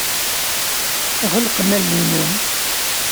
Ɣelqem allen-nwen.